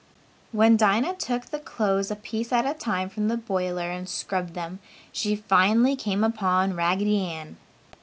When Dinah took the clothes a piece at a time from the boiler and scrubbed them, she finally came upon Raggedy Ann.